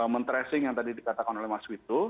mentresing yang tadi dikatakan oleh mas wito